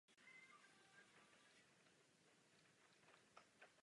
V těchto funkcích obvykle začínali kariéru absolventi úřednických zkoušek.